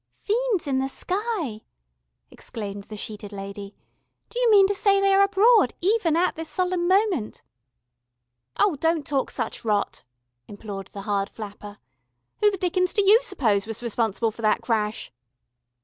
"Fiends in the sky!" exclaimed the sheeted lady. "Do you mean to say they are abroad even at this solemn moment?" "Oh, don't talk such rot," implored the hard flapper. "Who the dickens do you suppose was responsible for that crash?"